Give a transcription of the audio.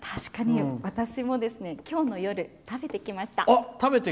私も、きょうの夜食べてきました。